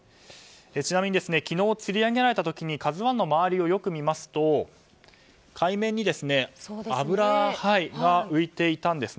ちなみに昨日つり上げられた時に「ＫＡＺＵ１」の周りをよく見ますと海面に油が浮いていたんです。